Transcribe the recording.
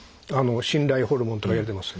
信頼ホルモンとか言われてます。